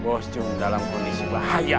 bosjum dalam kondisi bahaya